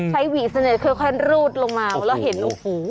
ใช้หวีเสน็จคือแค่รูดลงมาแล้วเห็นโอ้โห